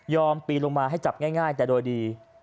ปีนลงมาให้จับง่ายแต่โดยดี